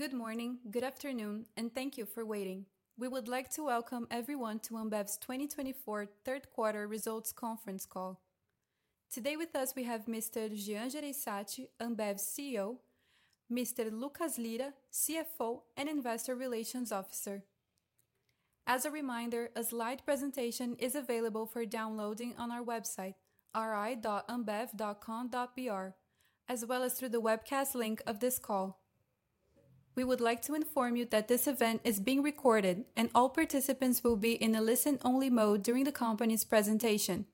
Good morning, good afternoon, and thank you for waiting. We would like to welcome everyone to Ambev's 2024 third quarter results conference call. Today with us we have Mr. Jean Jereissati, Ambev's CEO. Mr. Lucas Lira, CFO and Investor Relations Officer. As a reminder, a slide presentation is available for downloading on our website, ri.ambev.com.br, as well as through the webcast link of this call. We would like to inform you that this event is being recorded, and all participants will be in a listen-only mode during the company's presentation.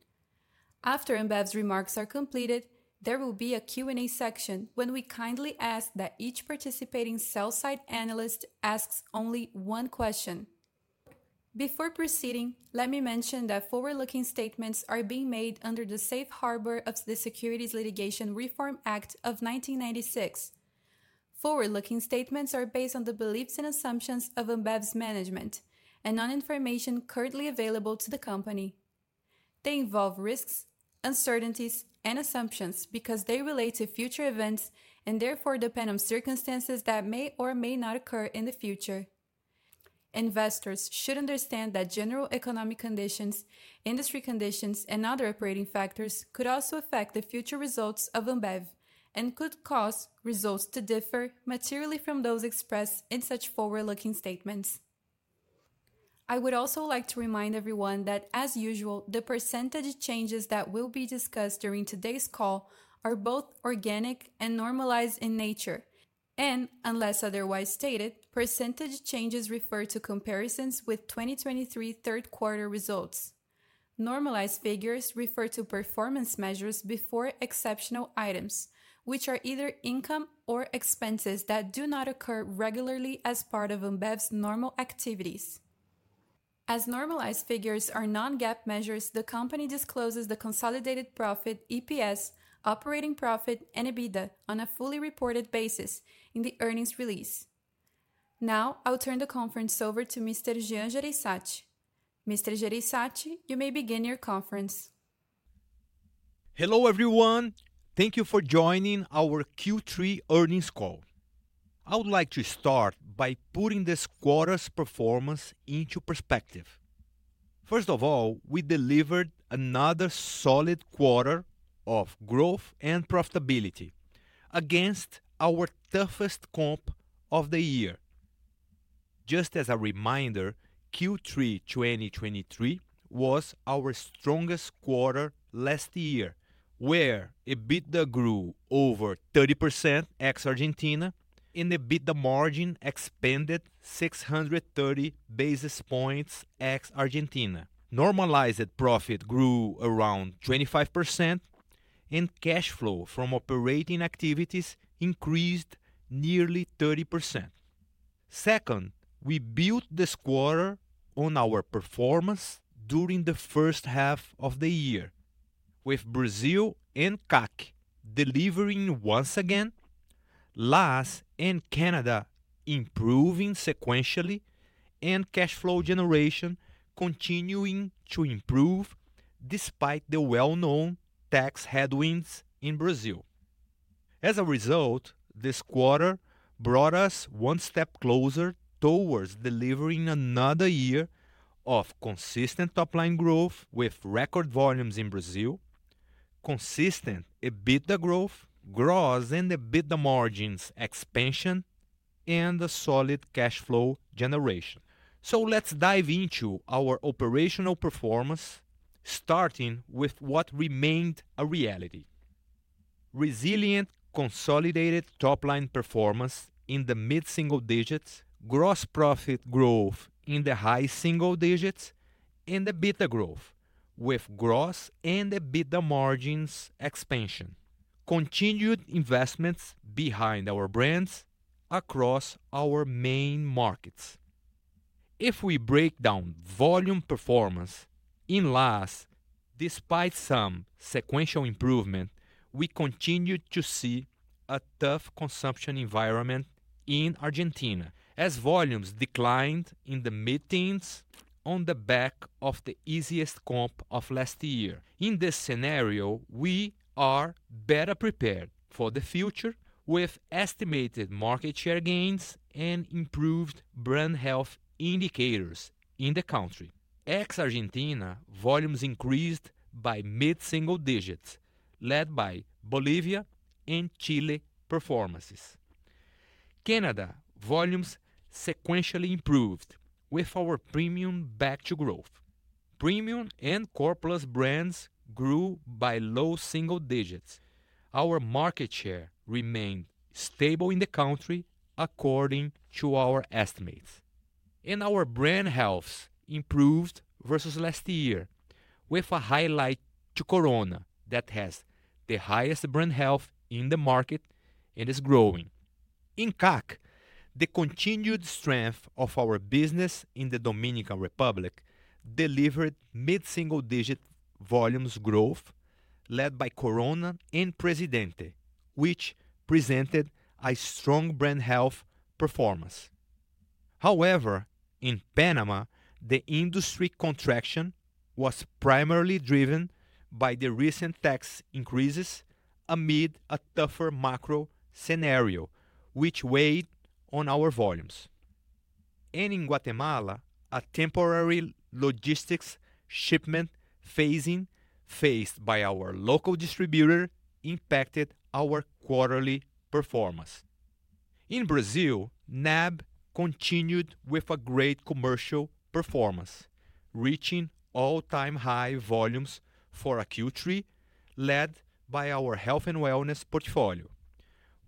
After Ambev's remarks are completed, there will be a Q&A section when we kindly ask that each participating sell-side analyst ask only one question. Before proceeding, let me mention that forward-looking statements are being made under the Safe Harbor of the Securities Litigation Reform Act of 1996. Forward-looking statements are based on the beliefs and assumptions of Ambev's management and on information currently available to the company. They involve risks, uncertainties, and assumptions because they relate to future events and therefore depend on circumstances that may or may not occur in the future. Investors should understand that general economic conditions, industry conditions, and other operating factors could also affect the future results of Ambev and could cause results to differ materially from those expressed in such forward-looking statements. I would also like to remind everyone that, as usual, the percentage changes that will be discussed during today's call are both organic and normalized in nature, and, unless otherwise stated, percentage changes refer to comparisons with 2023 third quarter results. Normalized figures refer to performance measures before exceptional items, which are either income or expenses that do not occur regularly as part of Ambev's normal activities. As normalized figures are non-GAAP measures, the company discloses the Consolidated Profit (EPS), Operating Profit, and EBITDA on a fully reported basis in the earnings release. Now, I'll turn the conference over to Mr. Jean Jereissati. Mr. Jereissati, you may begin your conference. Hello everyone, thank you for joining our Q3 earnings call. I would like to start by putting this quarter's performance into perspective. First of all, we delivered another solid quarter of growth and profitability against our toughest comp of the year. Just as a reminder, Q3 2023 was our strongest quarter last year, where EBITDA grew over 30% ex-Argentina, and EBITDA margin expanded 630 basis points ex-Argentina. Normalized profit grew around 25%, and cash flow from operating activities increased nearly 30%. Second, we built this quarter on our performance during the first half of the year, with Brazil and CAC delivering once again, LAS and Canada improving sequentially, and cash flow generation continuing to improve despite the well-known tax headwinds in Brazil. As a result, this quarter brought us one step closer toward delivering another year of consistent top-line growth with record volumes in Brazil, consistent EBITDA growth, gross and EBITDA margins expansion, and a solid cash flow generation. So let's dive into our operational performance, starting with what remained a reality: resilient consolidated top-line performance in the mid-single digits, gross profit growth in the high single digits, and EBITDA growth with gross and EBITDA margins expansion, continued investments behind our brands across our main markets. If we break down volume performance in LAS, despite some sequential improvement, we continued to see a tough consumption environment in Argentina as volumes declined in the mid-teens on the back of the easiest comp of last year. In this scenario, we are better prepared for the future with estimated market share gains and improved brand health indicators in the country. Ex-Argentina volumes increased by mid-single digits, led by Bolivia and Chile performances. Canada volumes sequentially improved with our premium back-to-growth. Premium and core brands grew by low single digits. Our market share remained stable in the country according to our estimates, and our brand health improved versus last year, with a highlight to Corona that has the highest brand health in the market and is growing. In CAC, the continued strength of our business in the Dominican Republic delivered mid-single digit volumes growth, led by Corona and Presidente, which presented a strong brand health performance. However, in Panama, the industry contraction was primarily driven by the recent tax increases amid a tougher macro scenario, which weighed on our volumes, and in Guatemala, a temporary logistics shipment phasing faced by our local distributor impacted our quarterly performance. In Brazil, NAB continued with a great commercial performance, reaching all-time high volumes for a Q3, led by our health and wellness portfolio,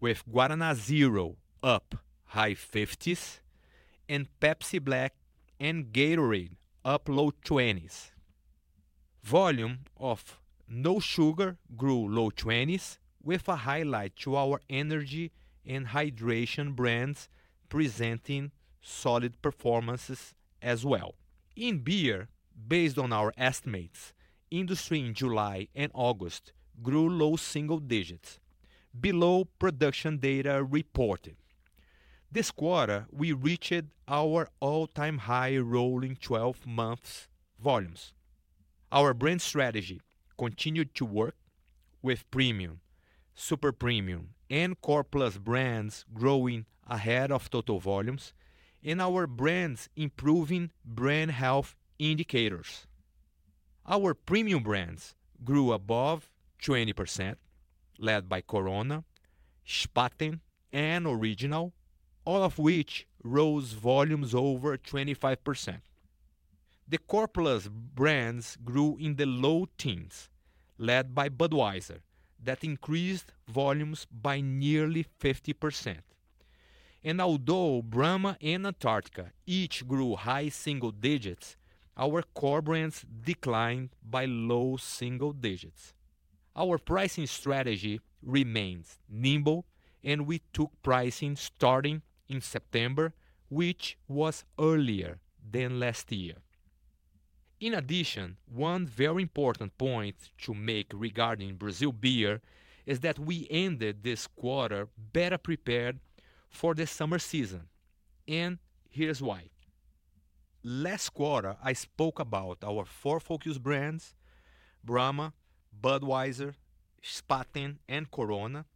with Guaraná Zero up high 50s% and Pepsi Black and Gatorade up low 20s%. Volumes of no sugar grew low 20s%, with a highlight to our energy and hydration brands presenting solid performances as well. In beer, based on our estimates, industry in July and August grew low single digits%, below production data reported. This quarter, we reached our all-time high rolling 12-month volumes. Our brand strategy continued to work, with premium, super premium, and core brands growing ahead of total volumes, and our brands improving brand health indicators. Our premium brands grew above 20%, led by Corona, Spaten, and Original, all of which rose volumes over 25%. The core brands grew in the low teens%, led by Budweiser, that increased volumes by nearly 50%. Although Brahma and Antarctica each grew high single digits, our core brands declined by low single digits. Our pricing strategy remains nimble, and we took pricing starting in September, which was earlier than last year. In addition, one very important point to make regarding Brazil beer is that we ended this quarter better prepared for the summer season, and here's why. Last quarter, I spoke about our four focus brands: Brahma, Budweiser, Spaten, and Corona,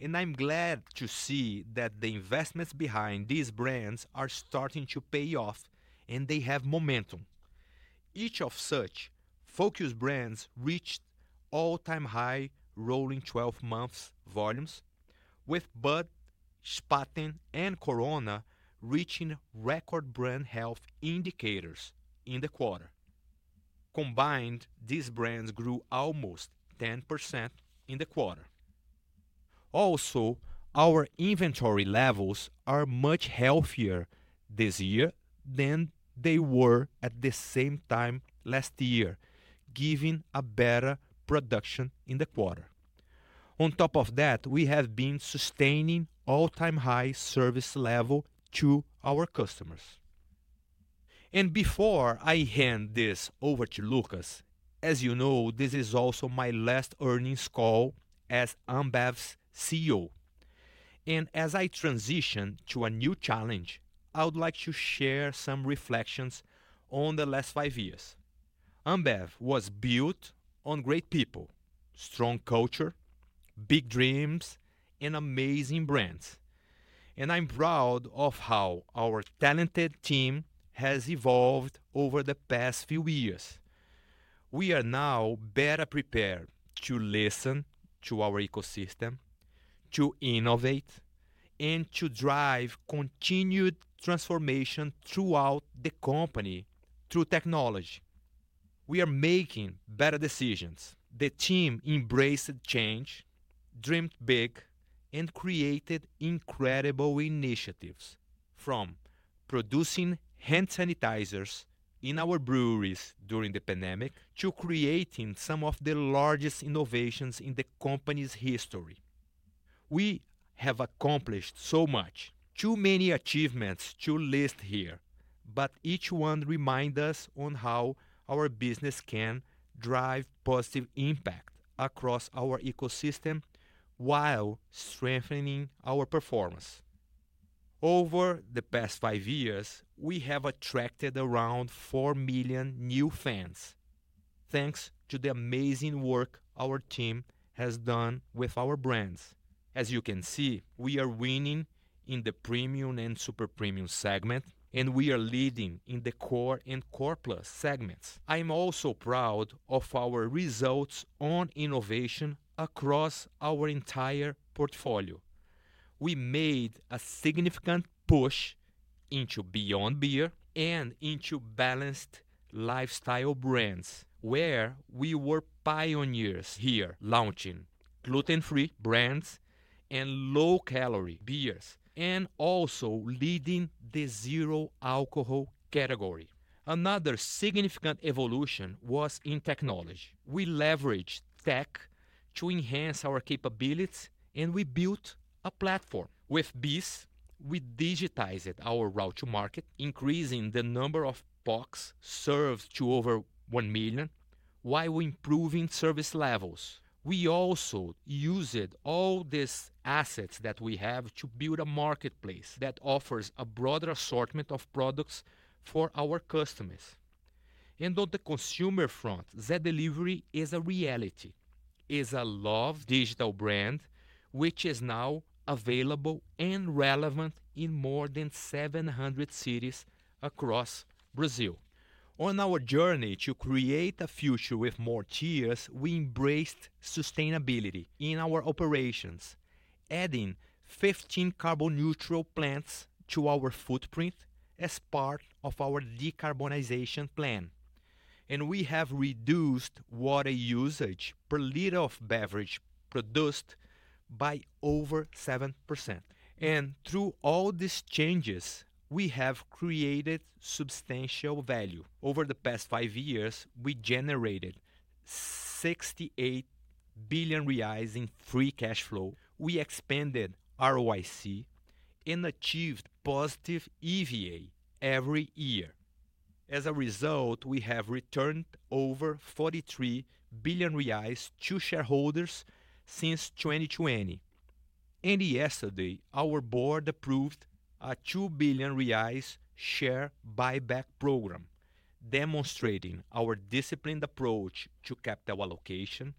and I'm glad to see that the investments behind these brands are starting to pay off, and they have momentum. Each of such focus brands reached all-time high rolling 12-month volumes, with Bud, Spaten, and Corona reaching record brand health indicators in the quarter. Combined, these brands grew almost 10% in the quarter. Also, our inventory levels are much healthier this year than they were at the same time last year, giving a better production in the quarter. On top of that, we have been sustaining all-time high service level to our customers. And before I hand this over to Lucas, as you know, this is also my last earnings call as Ambev's CEO. And as I transition to a new challenge, I would like to share some reflections on the last five years. Ambev was built on great people, strong culture, big dreams, and amazing brands. And I'm proud of how our talented team has evolved over the past few years. We are now better prepared to listen to our ecosystem, to innovate, and to drive continued transformation throughout the company through technology. We are making better decisions. The team embraced change, dreamed big, and created incredible initiatives, from producing hand sanitizers in our breweries during the pandemic to creating some of the largest innovations in the company's history. We have accomplished so much, too many achievements to list here, but each one reminds us on how our business can drive positive impact across our ecosystem while strengthening our performance. Over the past five years, we have attracted around 4 million new fans, thanks to the amazing work our team has done with our brands. As you can see, we are winning in the premium and super premium segment, and we are leading in the core and popular segments. I'm also proud of our results on innovation across our entire portfolio. We made a significant push into Beyond Beer and into Balanced Lifestyle brands, where we were pioneers here launching gluten-free brands and low-calorie beers, and also leading the zero alcohol category. Another significant evolution was in technology. We leveraged tech to enhance our capabilities, and we built a platform. With this, we digitized our route to market, increasing the number of POCs served to over 1 million, while improving service levels. We also used all these assets that we have to build a marketplace that offers a broader assortment of products for our customers, and on the consumer front, Zé Delivery is a reality, is a loved digital brand, which is now available and relevant in more than 700 cities across Brazil. On our journey to create a future with more tears, we embraced sustainability in our operations, adding 15 carbon-neutral plants to our footprint as part of our decarbonization plan, and we have reduced water usage per liter of beverage produced by over 7%. And through all these changes, we have created substantial value. Over the past five years, we generated 68 billion reais in free cash flow. We expanded ROIC and achieved positive EVA every year. As a result, we have returned over 43 billion reais to shareholders since 2020, and yesterday, our board approved a 2 billion reais share buyback program, demonstrating our disciplined approach to capital allocation,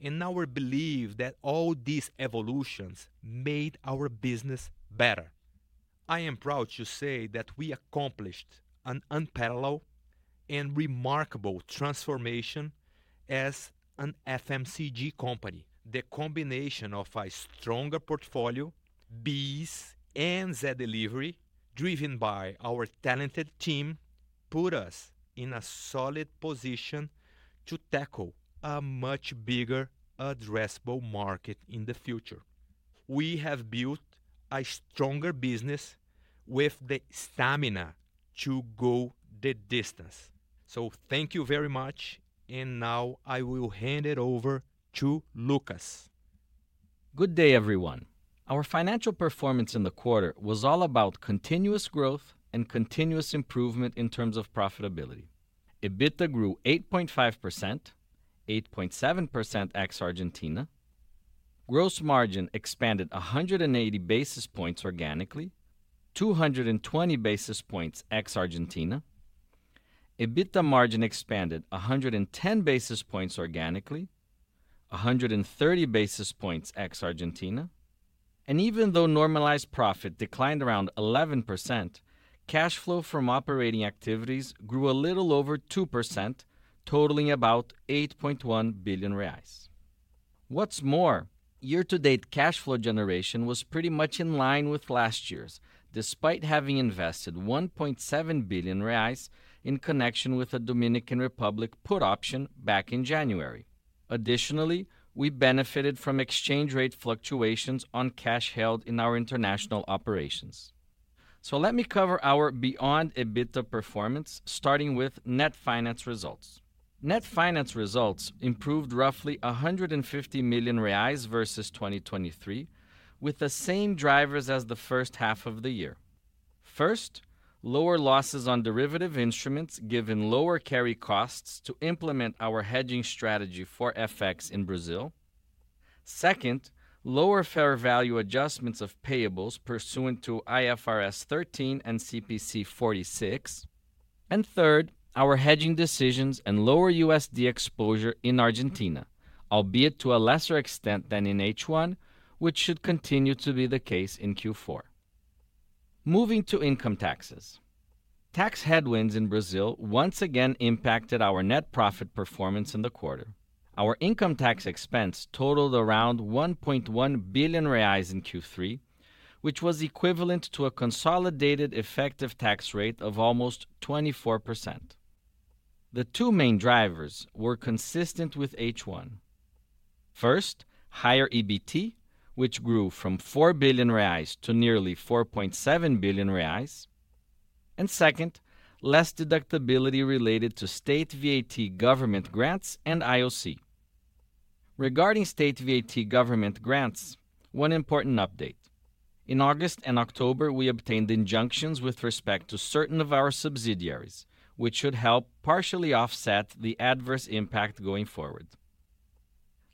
and our belief that all these evolutions made our business better. I am proud to say that we accomplished an unparalleled and remarkable transformation as an FMCG company. The combination of a stronger portfolio, BEES, and Zé Delivery, driven by our talented team, put us in a solid position to tackle a much bigger addressable market in the future. We have built a stronger business with the stamina to go the distance. So thank you very much, and now I will hand it over to Lucas. Good day, everyone. Our financial performance in the quarter was all about continuous growth and continuous improvement in terms of profitability. EBITDA grew 8.5%, 8.7% ex-Argentina. Gross margin expanded 180 basis points organically, 220 basis points ex-Argentina. EBITDA margin expanded 110 basis points organically, 130 basis points ex-Argentina. And even though normalized profit declined around 11%, cash flow from operating activities grew a little over 2%, totaling about 8.1 billion reais. What's more, year-to-date cash flow generation was pretty much in line with last year's, despite having invested 1.7 billion reais in connection with a Dominican Republic put option back in January. Additionally, we benefited from exchange rate fluctuations on cash held in our international operations. So let me cover our Beyond EBITDA performance, starting with net finance results. Net finance results improved roughly 150 million reais versus 2023, with the same drivers as the first half of the year. First, lower losses on derivative instruments given lower carry costs to implement our hedging strategy for FX in Brazil. Second, lower fair value adjustments of payables pursuant to IFRS 13 and CPC 46. And third, our hedging decisions and lower USD exposure in Argentina, albeit to a lesser extent than in H1, which should continue to be the case in Q4. Moving to income taxes. Tax headwinds in Brazil once again impacted our net profit performance in the quarter. Our income tax expense totaled around 1.1 billion reais in Q3, which was equivalent to a consolidated effective tax rate of almost 24%. The two main drivers were consistent with H1. First, higher EBT, which grew from 4 billion reais to nearly 4.7 billion reais. And second, less deductibility related to state VAT government grants and IOC. Regarding state VAT government grants, one important update: In August and October, we obtained injunctions with respect to certain of our subsidiaries, which should help partially offset the adverse impact going forward.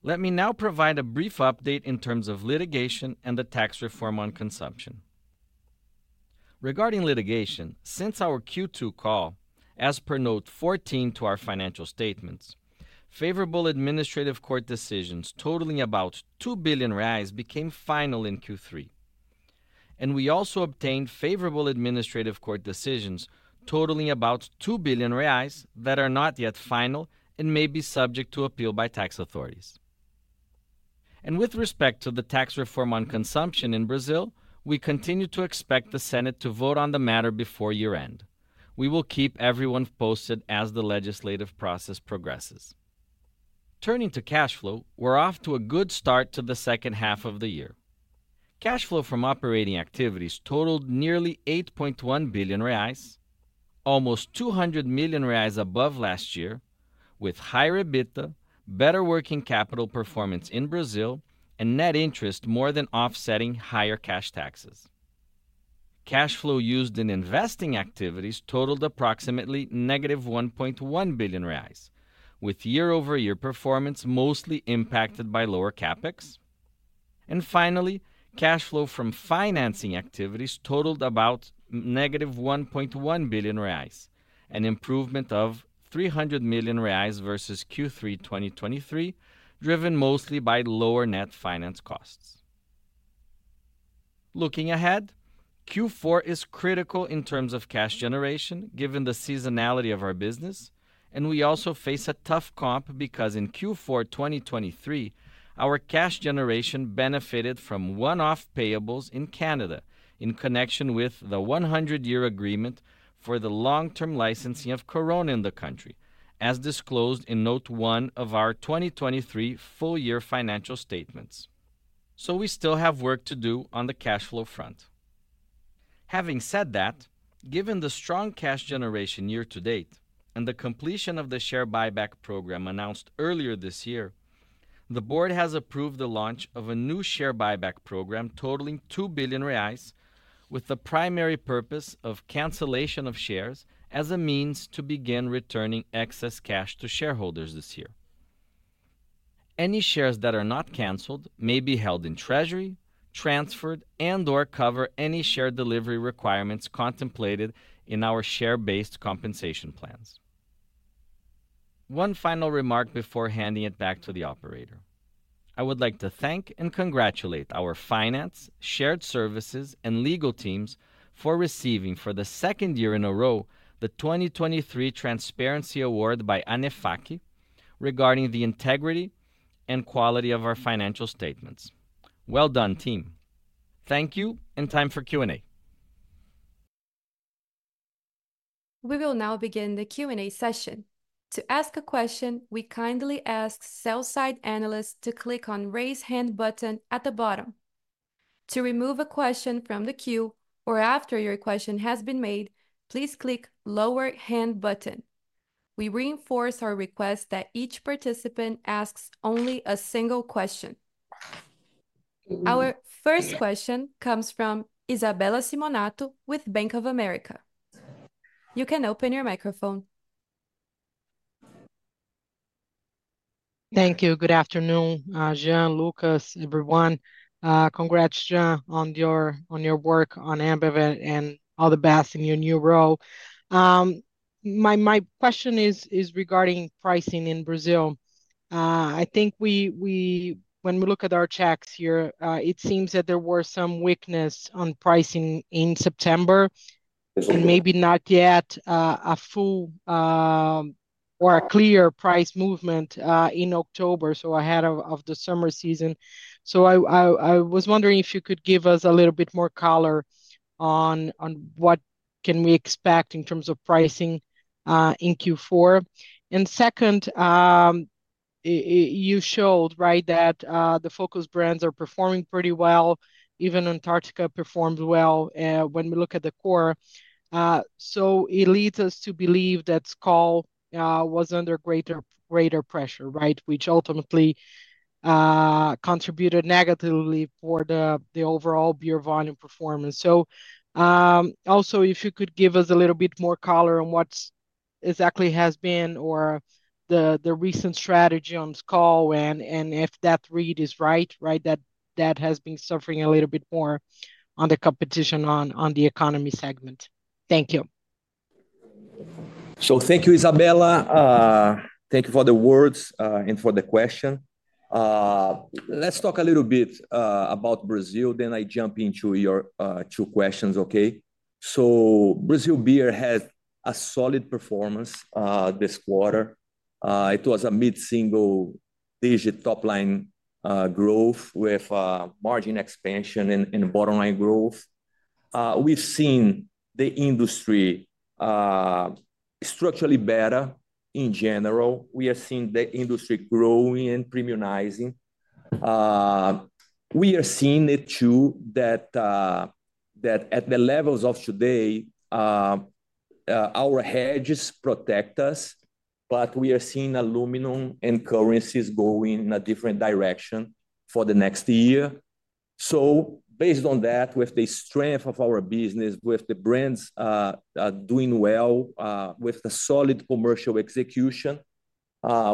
Let me now provide a brief update in terms of litigation and the tax reform on consumption. Regarding litigation, since our Q2 call, as per note 14 to our financial statements, favorable administrative court decisions totaling about 2 billion reais became final in Q3. And we also obtained favorable administrative court decisions totaling about 2 billion reais that are not yet final and may be subject to appeal by tax authorities. And with respect to the tax reform on consumption in Brazil, we continue to expect the Senate to vote on the matter before year-end. We will keep everyone posted as the legislative process progresses. Turning to cash flow, we're off to a good start to the second half of the year. Cash flow from operating activities totaled nearly 8.1 billion reais, almost 200 million reais above last year, with higher EBITDA, better working capital performance in Brazil, and net interest more than offsetting higher cash taxes. Cash flow used in investing activities totaled approximately negative 1.1 billion reais, with year-over-year performance mostly impacted by lower CapEx. And finally, cash flow from financing activities totaled about negative 1.1 billion reais, an improvement of 300 million reais versus Q3 2023, driven mostly by lower net finance costs. Looking ahead, Q4 is critical in terms of cash generation, given the seasonality of our business, and we also face a tough comp because in Q4 2023, our cash generation benefited from one-off payables in Canada in connection with the 100-year agreement for the long-term licensing of Corona in the country, as disclosed in note one of our 2023 full-year financial statements. So we still have work to do on the cash flow front. Having said that, given the strong cash generation year-to-date and the completion of the share buyback program announced earlier this year, the board has approved the launch of a new share buyback program totaling 2 billion reais, with the primary purpose of cancellation of shares as a means to begin returning excess cash to shareholders this year. Any shares that are not canceled may be held in treasury, transferred, and/or cover any share delivery requirements contemplated in our share-based compensation plans. One final remark before handing it back to the operator. I would like to thank and congratulate our finance, shared services, and legal teams for receiving, for the second year in a row, the 2023 Transparency Award by ANEFAC regarding the integrity and quality of our financial statements. Well done, team. Thank you and time for Q&A. We will now begin the Q&A session. To ask a question, we kindly ask sell-side analysts to click on the raise hand button at the bottom. To remove a question from the queue or after your question has been made, please click the lower hand button. We reinforce our request that each participant asks only a single question. Our first question comes from Isabella Simonato with Bank of America. You can open your microphone. Thank you. Good afternoon, Jean, Lucas, everyone. Congrats, Jean, on your work on Ambev and all the best in your new role. My question is regarding pricing in Brazil. I think when we look at our checks here, it seems that there were some weaknesses on pricing in September and maybe not yet a full or a clear price movement in October, so ahead of the summer season. So I was wondering if you could give us a little bit more color on what can we expect in terms of pricing in Q4. And second, you showed that the Focus brands are performing pretty well. Even Antarctica performed well when we look at the core. So it leads us to believe that Skol was under greater pressure, which ultimately contributed negatively for the overall beer volume performance. So also, if you could give us a little bit more color on what exactly has been or the recent strategy on Skol and if that read is right, that has been suffering a little bit more on the competition on the economy segment. Thank you. So thank you, Isabela. Thank you for the words and for the question. Let's talk a little bit about Brazil, then I jump into your two questions, okay? Brazil beer had a solid performance this quarter. It was a mid-single-digit top-line growth with margin expansion and bottom-line growth. We've seen the industry structurally better in general. We have seen the industry growing and premiumizing. We are seeing it too that at the levels of today, our hedges protect us, but we are seeing aluminum and currencies going in a different direction for the next year. Based on that, with the strength of our business, with the brands doing well, with the solid commercial execution,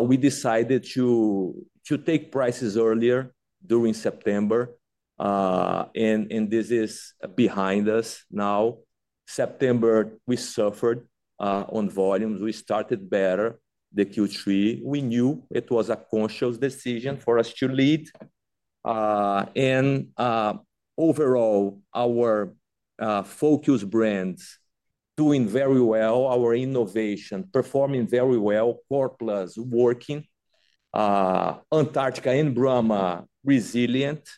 we decided to take prices earlier during September. This is behind us now. September, we suffered on volumes. We started better than Q3. We knew it was a conscious decision for us to lead. Overall, our focus brands doing very well, our innovation performing very well, Corona working, Antarctica and Brahma resilient.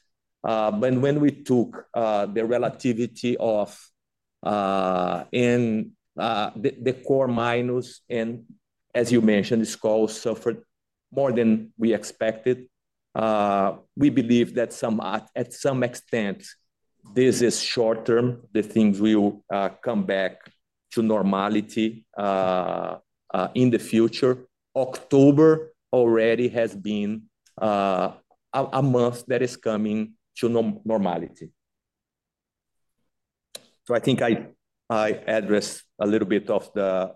But when we took the relativity of and the core minus, and as you mentioned, Skol suffered more than we expected, we believe that to some extent, this is short-term, the things will come back to normality in the future. October already has been a month that is coming to normality. So I think I addressed a little bit of the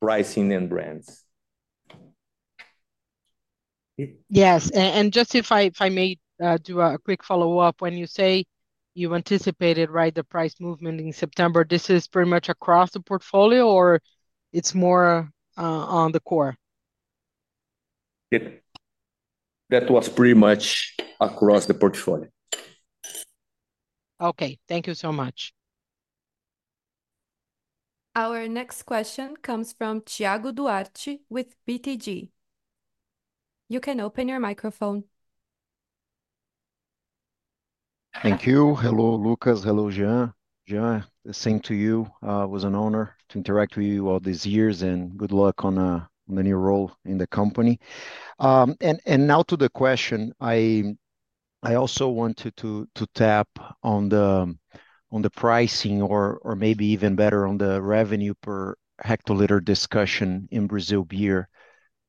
pricing and brands. Yes. And just if I may do a quick follow-up, when you say you anticipated the price movement in September, this is pretty much across the portfolio or it's more on the core? That was pretty much across the portfolio. Okay. Thank you so much. Our next question comes from Thiago Duarte with BTG. You can open your microphone. Thank you. Hello, Lucas. Hello, Jean. Jean, same to you. It was an honor to interact with you all these years, and good luck on the new role in the company, and now to the question. I also wanted to tap on the pricing or maybe even better on the revenue per hectoliter discussion in Brazil beer.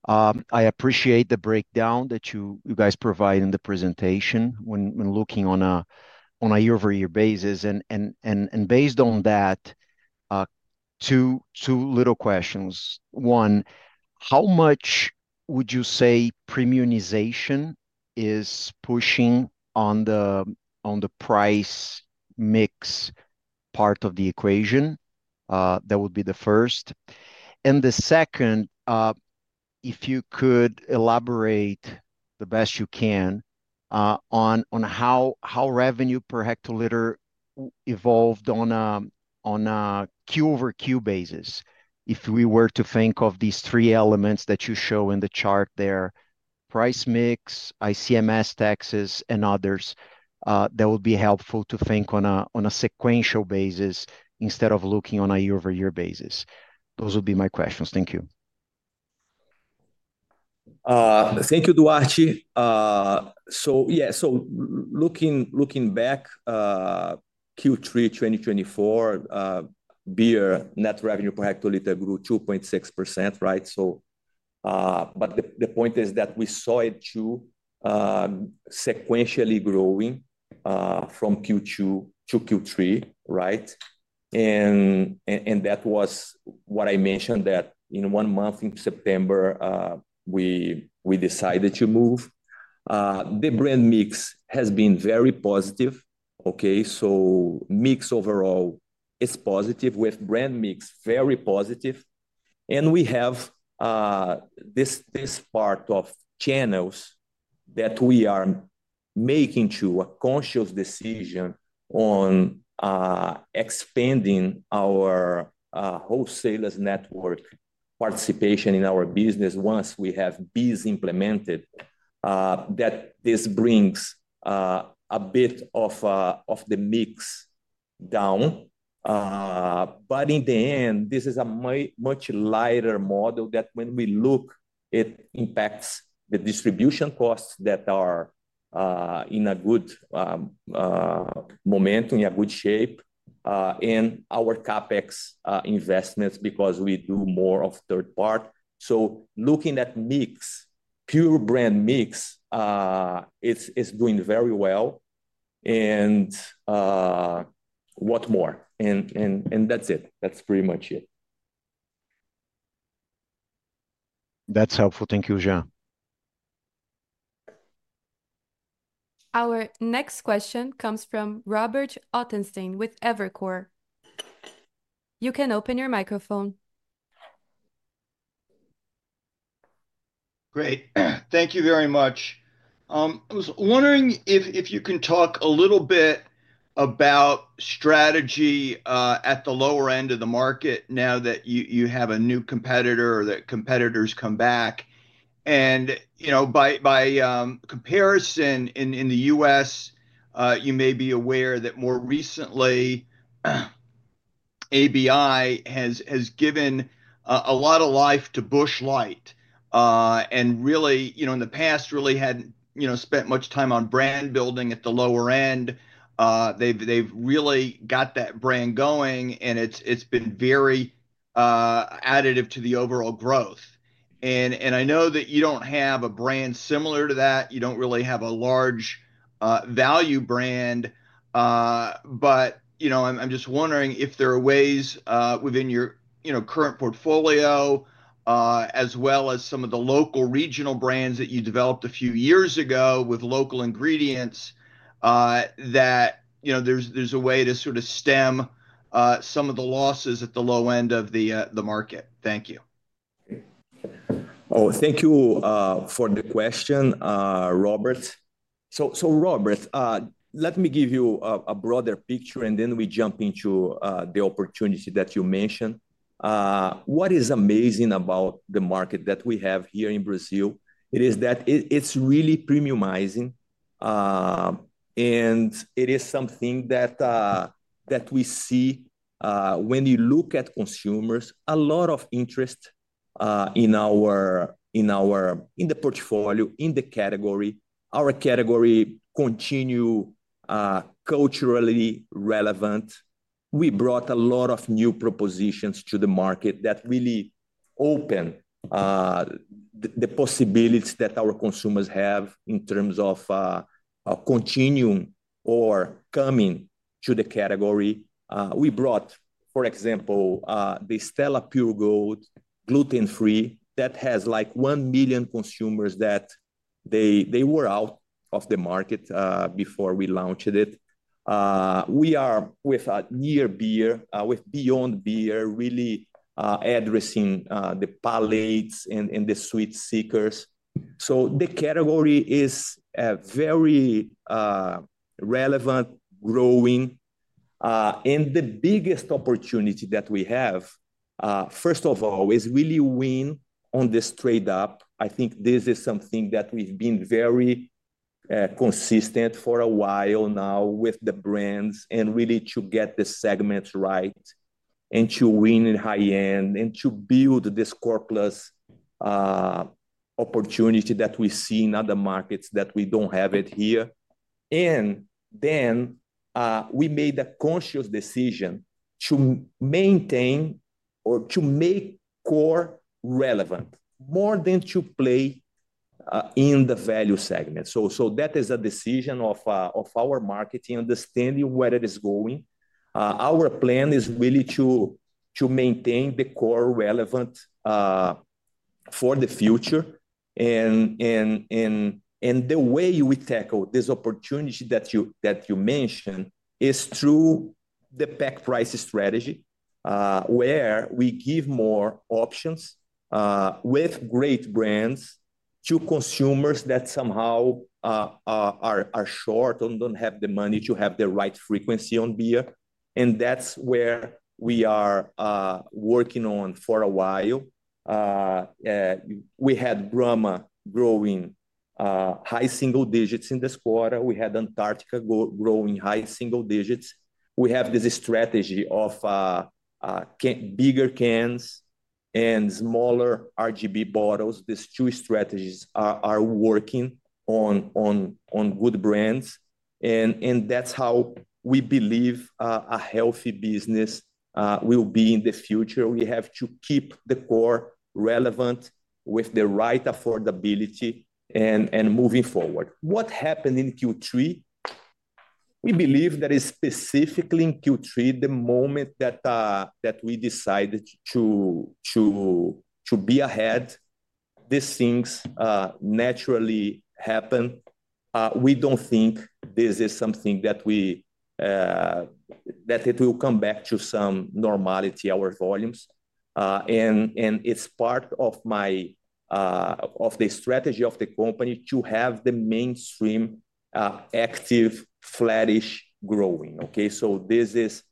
I appreciate the breakdown that you guys provide in the presentation when looking on a year-over-year basis. And based on that, two little questions. One, how much would you say premiumization is pushing on the price mix part of the equation? That would be the first. And the second, if you could elaborate the best you can on how revenue per hectoliter evolved on a Q-over-Q basis. If we were to think of these three elements that you show in the chart there, price mix, ICMS taxes, and others, that would be helpful to think on a sequential basis instead of looking on a year-over-year basis. Those would be my questions. Thank you. Thank you, Duarte. So yeah, so looking back, Q3 2024, beer net revenue per hectoliter grew 2.6%, right? But the point is that we saw it too sequentially growing from Q2 to Q3, right? And that was what I mentioned that in one month in September, we decided to move. The brand mix has been very positive, okay? So mix overall is positive with brand mix very positive. We have this part of channels that we are making a conscious decision on expanding our wholesalers' network participation in our business once we have BEES implemented, that this brings a bit of the mix down. But in the end, this is a much lighter model that, when we look, it impacts the distribution costs that are in a good momentum, in a good shape, and our CapEx investments because we do more of third-party. So looking at mix, pure brand mix, it's doing very well. And what more? And that's it. That's pretty much it. That's helpful. Thank you, Jean. Our next question comes from Robert Ottenstein with Evercore. You can open your microphone. Great. Thank you very much. I was wondering if you can talk a little bit about strategy at the lower end of the market now that you have a new competitor or that competitors come back? And by comparison in the U.S., you may be aware that more recently, ABI has given a lot of life to Busch Light. And really, in the past, really hadn't spent much time on brand building at the lower end. They've really got that brand going, and it's been very additive to the overall growth. And I know that you don't have a brand similar to that. You don't really have a large value brand. But I'm just wondering if there are ways within your current portfolio, as well as some of the local regional brands that you developed a few years ago with local ingredients, that there's a way to sort of stem some of the losses at the low end of the market? Thank you. Oh, thank you for the question, Robert. So Robert, let me give you a broader picture, and then we jump into the opportunity that you mentioned. What is amazing about the market that we have here in Brazil is that it's really premiumizing. And it is something that we see when you look at consumers, a lot of interest in the portfolio, in the category. Our category continues culturally relevant. We brought a lot of new propositions to the market that really open the possibilities that our consumers have in terms of continuing or coming to the category. We brought, for example, the Stella Pure Gold gluten-free that has like 1 million consumers that they were out of the market before we launched it. We are with a near beer, with Beyond Beer, really addressing the palates and the sweet seekers. So the category is very relevant, growing. And the biggest opportunity that we have, first of all, is really win on this trade-up. I think this is something that we've been very consistent for a while now with the brands and really to get the segments right and to win in high-end and to build this core plus opportunity that we see in other markets that we don't have it here. And then we made a conscious decision to maintain or to make core relevant more than to play in the value segment. So that is a decision of our marketing understanding where it is going. Our plan is really to maintain the core relevant for the future. And the way we tackle this opportunity that you mentioned is through the pack price strategy where we give more options with great brands to consumers that somehow are short or don't have the money to have the right frequency on beer. And that's where we are working on for a while. We had Brahma growing high single digits in this quarter. We had Antarctica growing high single digits. We have this strategy of bigger cans and smaller RGB bottles. These two strategies are working on good brands. And that's how we believe a healthy business will be in the future. We have to keep the core relevant with the right affordability and moving forward. What happened in Q3? We believe that specifically in Q3, the moment that we decided to be ahead, these things naturally happen. We don't think this is something that it will come back to some normality, our volumes. And it's part of the strategy of the company to have the mainstream active flattish growing, okay? So this is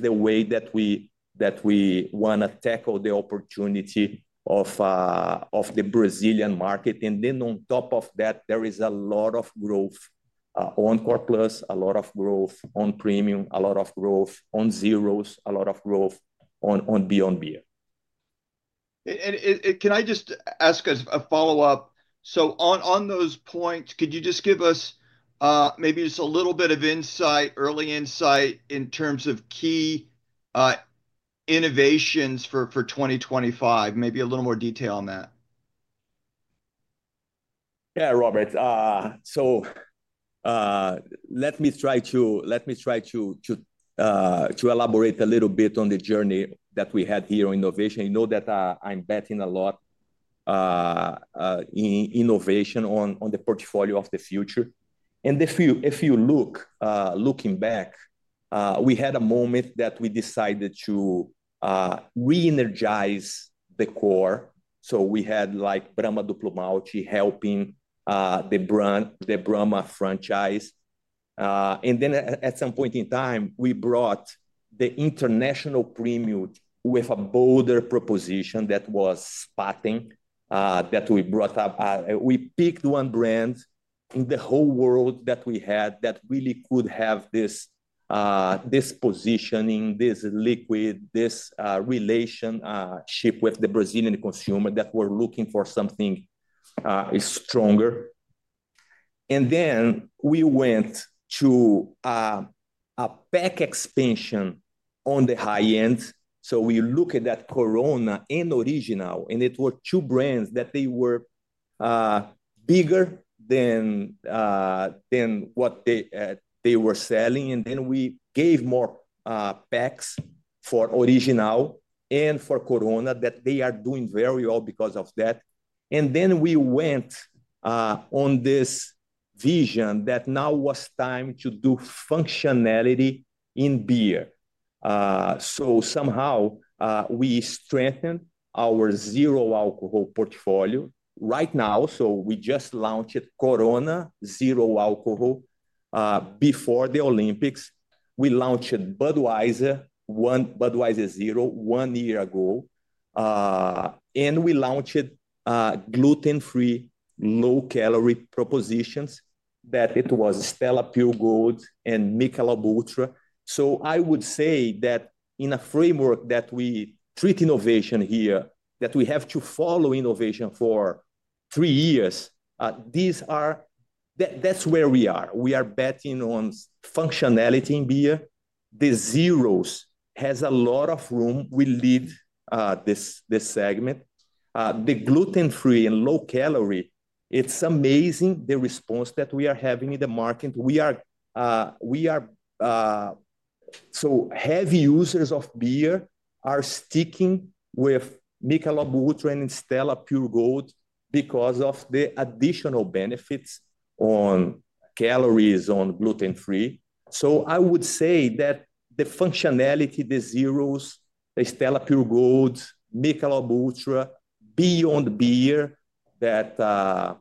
the way that we want to tackle the opportunity of the Brazilian market. And then on top of that, there is a lot of growth on Corona, a lot of growth on premium, a lot of growth on zeros, a lot of growth on Beyond Beer. Can I just ask a follow-up? So on those points, could you just give us maybe just a little bit of insight, early insight in terms of key innovations for 2025? Maybe a little more detail on that. Yeah, Robert. So let me try to elaborate a little bit on the journey that we had here in innovation. You know that I'm betting a lot in innovation on the portfolio of the future, and if you looking back, we had a moment that we decided to re-energize the core. So we had like Brahma Duplo Malte helping the Brahma franchise, and then at some point in time, we brought the international premium with a bolder proposition that was Spaten that we brought up. We picked one brand in the whole world that we had that really could have this positioning, this liquid, this relationship with the Brazilian consumer that were looking for something stronger, and then we went to a pack expansion on the high-end. So we look at that Corona and Original, and it were two brands that they were bigger than what they were selling, and then we gave more packs for Original and for Corona that they are doing very well because of that. And then we went on this vision that now was time to do functionality in beer. So somehow, we strengthened our zero alcohol portfolio right now. So we just launched Corona Cero before the Olympics. We launched Budweiser Zero one year ago. And we launched gluten-free, low-calorie propositions that it was Stella Pure Gold and Michelob Ultra. So I would say that in a framework that we treat innovation here, that we have to follow innovation for three years, that's where we are. We are betting on functionality in beer. The zeros has a lot of room. We lead this segment. The gluten-free and low-calorie, it's amazing the response that we are having in the market. So heavy users of beer are sticking with Michelob Ultra and Stella Pure Gold because of the additional benefits on calories on gluten-free. So I would say that the functionality, the zeros, the Stella Artois Pure Gold, Michelob Ultra, Beyond Beer that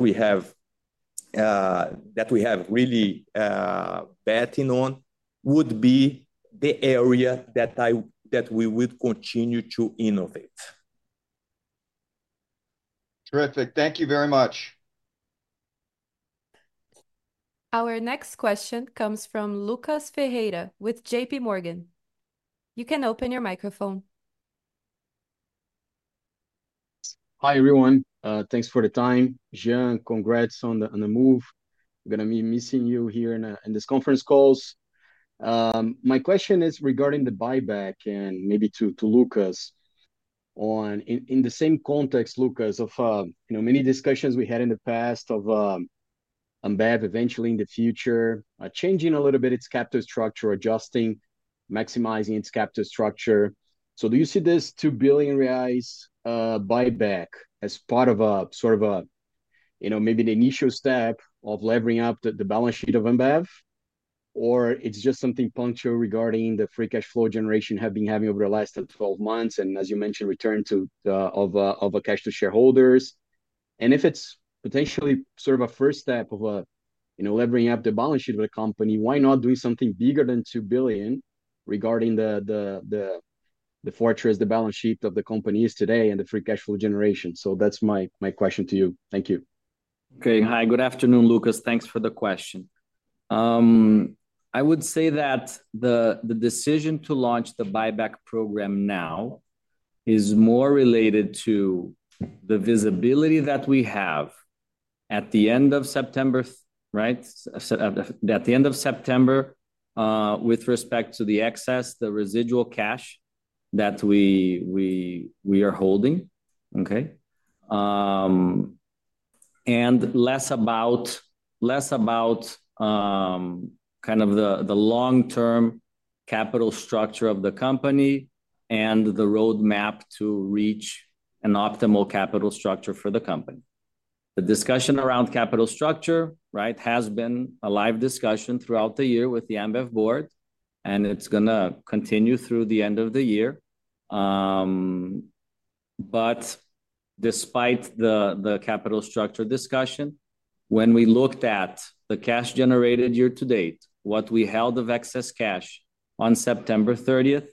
we have really betting on would be the area that we would continue to innovate. Terrific. Thank you very much. Our next question comes from Lucas Ferreira with J.P. Morgan. You can open your microphone. Hi everyone. Thanks for the time. Jean, congrats on the move. I'm going to be missing you here in this conference call. My question is regarding the buyback and maybe to Lucas in the same context, Lucas, of many discussions we had in the past of Ambev eventually in the future changing a little bit its capital structure, adjusting, maximizing its capital structure. So do you see this 2 billion reais buyback as part of a sort of maybe the initial step of levering up the balance sheet of Ambev? Or it's just something punctual regarding the free cash flow generation we've been having over the last 12 months and, as you mentioned, return of cash to shareholders? And if it's potentially sort of a first step of levering up the balance sheet of the company, why not doing something bigger than 2 billion regarding the fortress balance sheet of the company today and the free cash flow generation? So that's my question to you. Thank you. Okay. Hi. Good afternoon, Lucas. Thanks for the question. I would say that the decision to launch the buyback program now is more related to the visibility that we have at the end of September, right? At the end of September, with respect to the excess residual cash that we are holding, okay? Less about kind of the long-term capital structure of the company and the roadmap to reach an optimal capital structure for the company. The discussion around capital structure, right, has been a live discussion throughout the year with the Ambev board, and it's going to continue through the end of the year. But despite the capital structure discussion, when we looked at the cash generated year to date, what we held of excess cash on September 30th,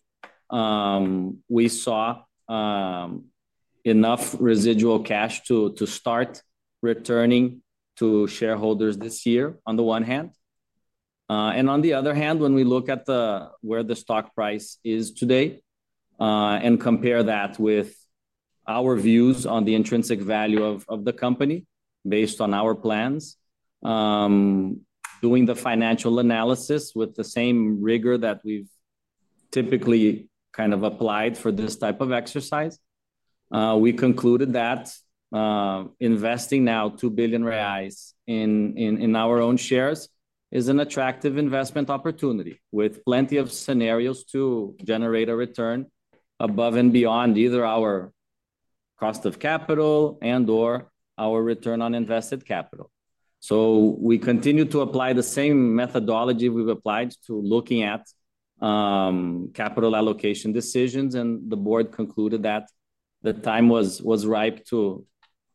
we saw enough residual cash to start returning to shareholders this year on the one hand. On the other hand, when we look at where the stock price is today and compare that with our views on the intrinsic value of the company based on our plans, doing the financial analysis with the same rigor that we've typically kind of applied for this type of exercise, we concluded that investing now 2 billion reais in our own shares is an attractive investment opportunity with plenty of scenarios to generate a return above and beyond either our cost of capital and/or our return on invested capital. We continue to apply the same methodology we've applied to looking at capital allocation decisions, and the board concluded that the time was ripe to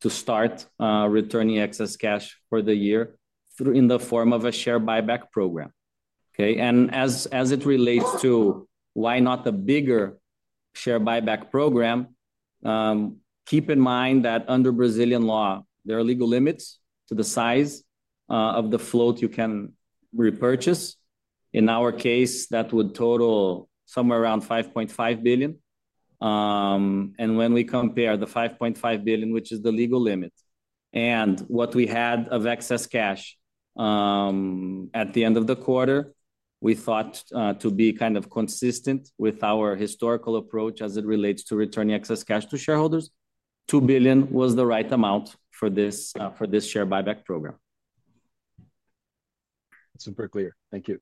start returning excess cash for the year in the form of a share buyback program, okay? As it relates to why not a bigger share buyback program, keep in mind that under Brazilian law, there are legal limits to the size of the float you can repurchase. In our case, that would total somewhere around 5.5 billion BRL. When we compare the 5.5 billion BRL, which is the legal limit, and what we had of excess cash at the end of the quarter, we thought to be kind of consistent with our historical approach as it relates to returning excess cash to shareholders, 2 billion BRL was the right amount for this share buyback program. Super clear. Thank you.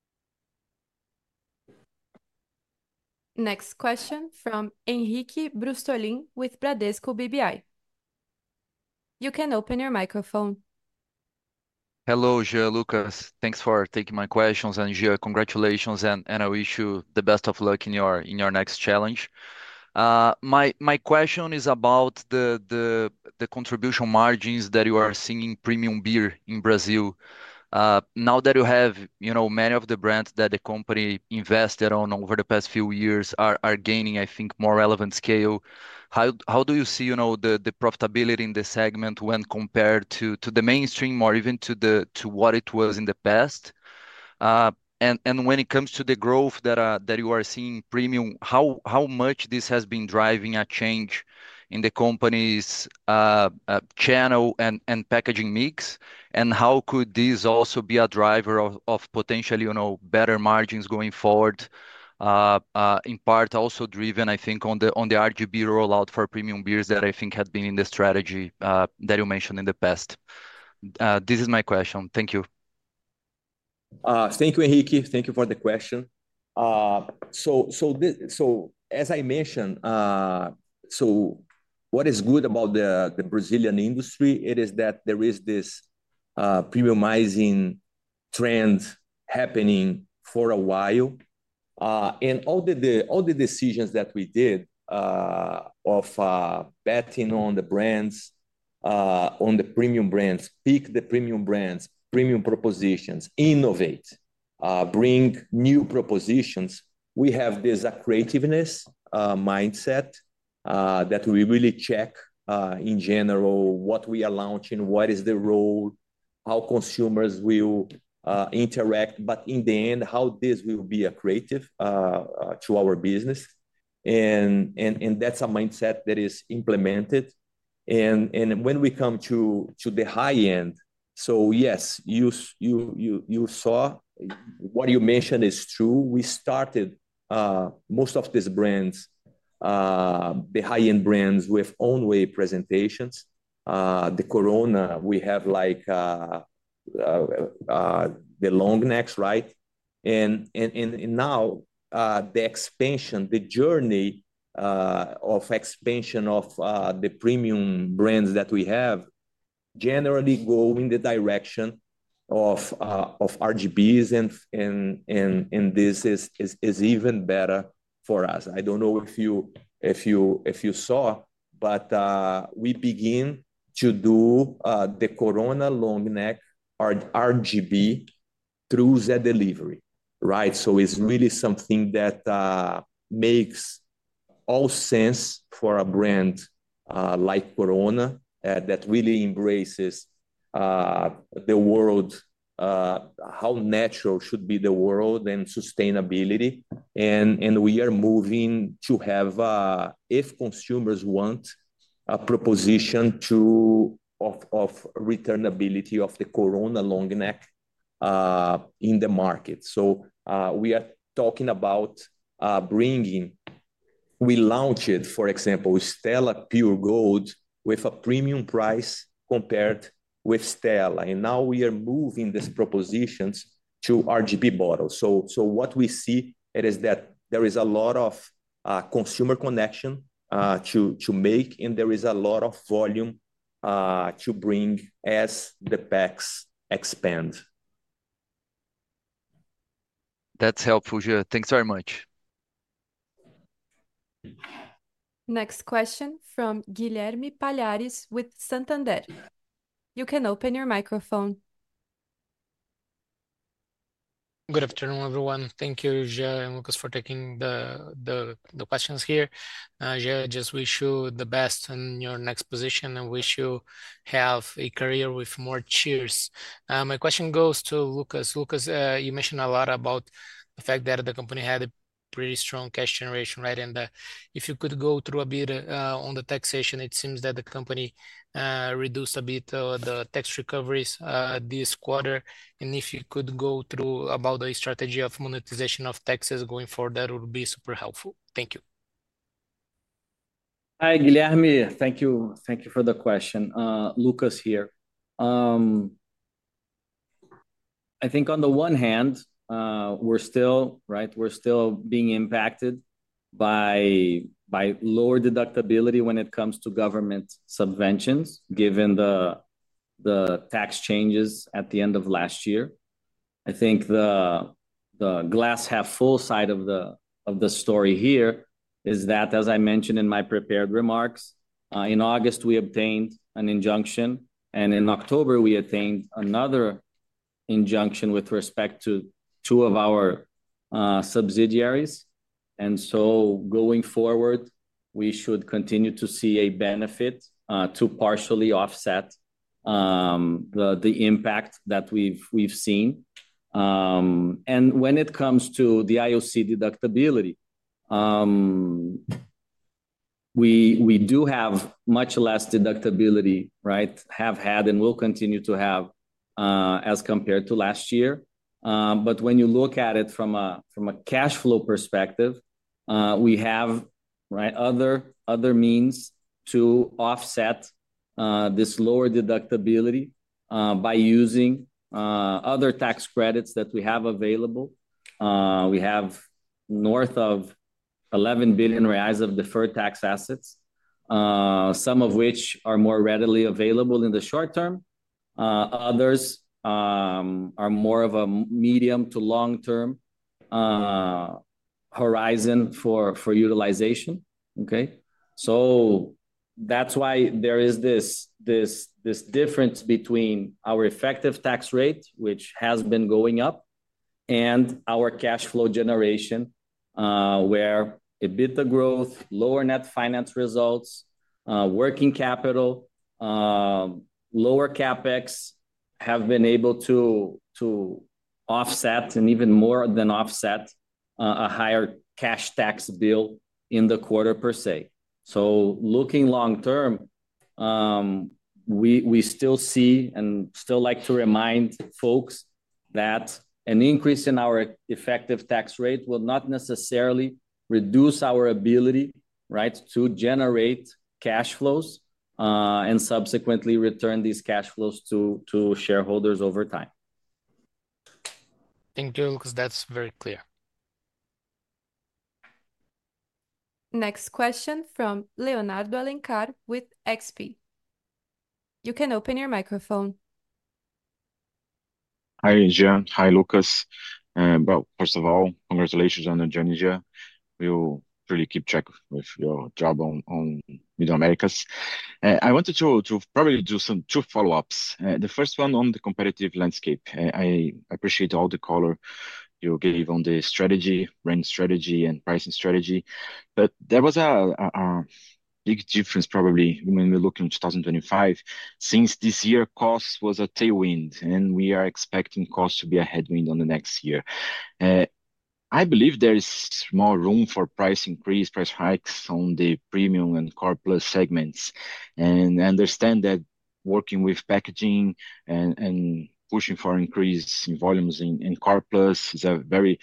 Next question from Henrique Brustolin with Bradesco BBI. You can open your microphone. Hello, Jean, Lucas. Thanks for taking my questions. Jean, congratulations, and I wish you the best of luck in your next challenge. My question is about the contribution margins that you are seeing in premium beer in Brazil. Now that you have many of the brands that the company invested on over the past few years are gaining, I think, more relevant scale, how do you see the profitability in the segment when compared to the mainstream or even to what it was in the past? And when it comes to the growth that you are seeing in premium, how much this has been driving a change in the company's channel and packaging mix? And how could this also be a driver of potentially better margins going forward, in part also driven, I think, on the RGB rollout for premium beers that I think had been in the strategy that you mentioned in the past? This is my question. Thank you. Thank you, Henrique. Thank you for the question. So as I mentioned, what is good about the Brazilian industry is that there is this premiumizing trend happening for a while. And all the decisions that we did of betting on the brands, on the premium brands, pick the premium brands, premium propositions, innovate, bring new propositions, we have this creativeness mindset that we really check in general what we are launching, what is the role, how consumers will interact, but in the end, how this will be a creative to our business. And that's a mindset that is implemented. And when we come to the high-end, so yes, you saw what you mentioned is true. We started most of these brands, the high-end brands with one-way presentations. The Corona, we have the long necks, right? Now the expansion, the journey of expansion of the premium brands that we have generally go in the direction of RGBs, and this is even better for us. I don't know if you saw, but we begin to do the Corona long neck RGB through Zé Delivery, right? So it's really something that makes all sense for a brand like Corona that really embraces the world, how natural should be the world and sustainability. We are moving to have, if consumers want, a proposition of returnability of the Corona long neck in the market. So we are talking about bringing. We launched, for example, Stella Pure Gold with a premium price compared with Stella. Now we are moving these propositions to RGB bottles. So what we see is that there is a lot of consumer connection to make, and there is a lot of volume to bring as the packs expand That's helpful, Jean. Thanks very much. Next question from Guilherme Palhares with Santander. You can open your microphone. Good afternoon, everyone. Thank you, Jean and Lucas, for taking the questions here. Jean, I just wish you the best in your next position and wish you have a career with more cheers. My question goes to Lucas. Lucas, you mentioned a lot about the fact that the company had a pretty strong cash generation, right? And if you could go through a bit on the taxation, it seems that the company reduced a bit of the tax recoveries this quarter. And if you could go through about the strategy of monetization of taxes going forward, that would be super helpful. Thank you. Hi, Guilherme. Thank you for the question. Lucas here. I think on the one hand, we're still, right, we're still being impacted by lower deductibility when it comes to government subventions given the tax changes at the end of last year. I think the glass half full side of the story here is that, as I mentioned in my prepared remarks, in August, we obtained an injunction, and in October, we attained another injunction with respect to two of our subsidiaries. And so going forward, we should continue to see a benefit to partially offset the impact that we've seen. And when it comes to the IOC deductibility, we do have much less deductibility, right, have had and will continue to have as compared to last year. But when you look at it from a cash flow perspective, we have other means to offset this lower deductibility by using other tax credits that we have available. We have north of 11 billion reais of deferred tax assets, some of which are more readily available in the short term. Others are more of a medium to long-term horizon for utilization, okay? So that's why there is this difference between our effective tax rate, which has been going up, and our cash flow generation, where EBITDA growth, lower net finance results, working capital, lower CapEx have been able to offset and even more than offset a higher cash tax bill in the quarter per se. So looking long term, we still see and still like to remind folks that an increase in our effective tax rate will not necessarily reduce our ability, right, to generate cash flows and subsequently return these cash flows to shareholders over time. Thank you, Lucas. That's very clear. Next question from Leonardo Alencar with XP. You can open your microphone. Hi, Jean. Hi, Lucas. But first of all, congratulations on the journey, Jean. We'll really keep track of your job on Middle Americas. I wanted to probably do some two follow-ups. The first one on the competitive landscape. I appreciate all the color you gave on the strategy, brand strategy, and pricing strategy. But there was a big difference probably when we look in 2025. Since this year, cost was a tailwind, and we are expecting cost to be a headwind on the next year. I believe there is more room for price increase, price hikes on the premium and core segments. And I understand that working with packaging and pushing for increase in volumes in core is a very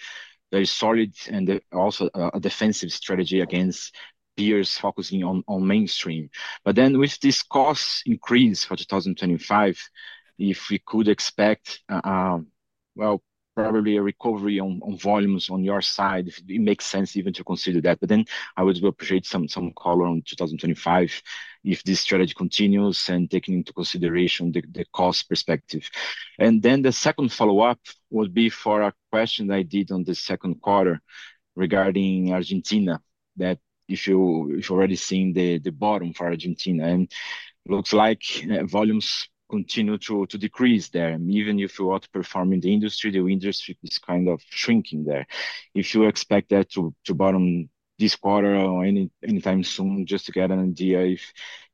solid and also a defensive strategy against peers focusing on mainstream. But then with this cost increase for 2025, if we could expect, well, probably a recovery on volumes on your side, it makes sense even to consider that. But then I would appreciate some color on 2025 if this strategy continues and taking into consideration the cost perspective. And then the second follow-up would be for a question I did on the second quarter regarding Argentina that if you've already seen the bottom for Argentina. And it looks like volumes continue to decrease there. Even if you want to perform in the industry, the industry is kind of shrinking there. If you expect that to bottom this quarter or anytime soon, just to get an idea if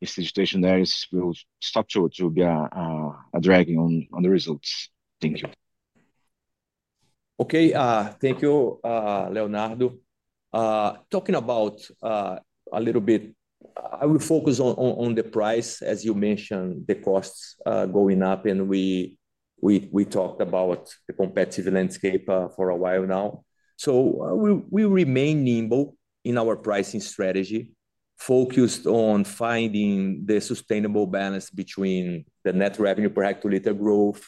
the situation there will stop to be a drag on the results. Thank you. Okay. Thank you, Leonardo. Talking about a little bit, I will focus on the price, as you mentioned, the costs going up, and we talked about the competitive landscape for a while now. So we remain nimble in our pricing strategy, focused on finding the sustainable balance between the net revenue per hectoliter growth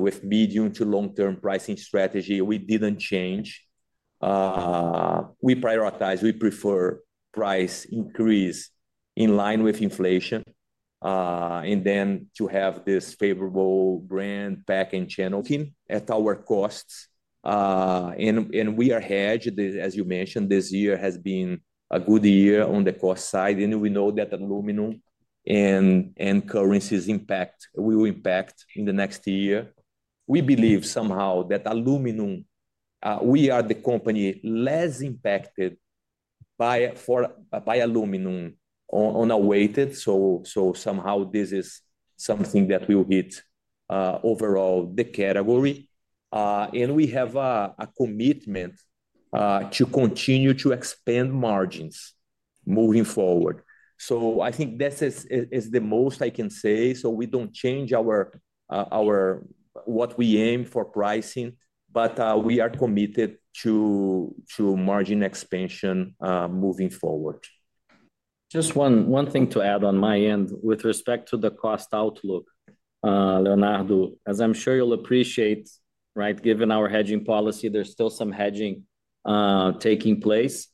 with medium to long-term pricing strategy. We didn't change. We prioritize, we prefer price increase in line with inflation, and then to have this favorable brand pack and channel. Looking at our costs, and we are hedged, as you mentioned, this year has been a good year on the cost side. And we know that aluminum and currencies will impact in the next year. We believe somehow that aluminum, we are the company less impacted by aluminum on a weighted. So somehow this is something that will hit overall the category. And we have a commitment to continue to expand margins moving forward. So I think this is the most I can say. So we don't change what we aim for pricing, but we are committed to margin expansion moving forward. Just one thing to add on my end with respect to the cost outlook, Leonardo, as I'm sure you'll appreciate, right, given our hedging policy, there's still some hedging taking place.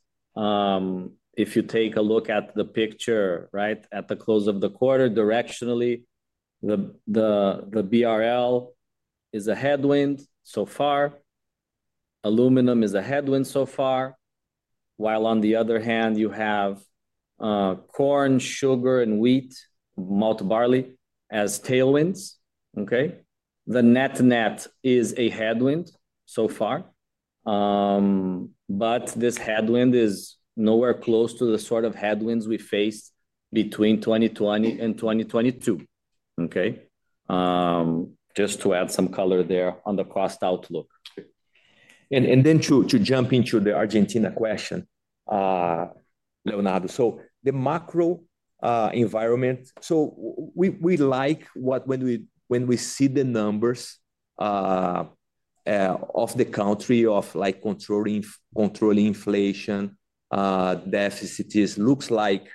If you take a look at the picture, right, at the close of the quarter, directionally, the BRL is a headwind so far. Aluminum is a headwind so far. While on the other hand, you have corn, sugar, and wheat, malt barley as tailwinds, okay? The net net is a headwind so far. But this headwind is nowhere close to the sort of headwinds we faced between 2020 and 2022, okay? Just to add some color there on the cost outlook, and then to jump into the Argentina question, Leonardo. The macro environment. We like when we see the numbers of the country, controlling inflation, deficits. It looks like